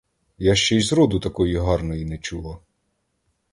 Я ще й зроду такої гарної не чула!